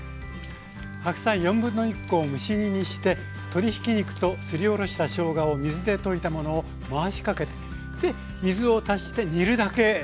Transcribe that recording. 白菜1/4コを蒸し煮にして鶏ひき肉とすりおろしたしょうがを水で溶いたものを回しかけて水を足して煮るだけでした。